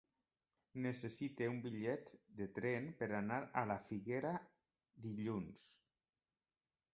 Necessito un bitllet de tren per anar a la Figuera dilluns.